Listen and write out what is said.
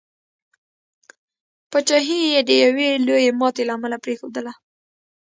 پاچهي یې د یوي لويي ماتي له امله پرېښودله.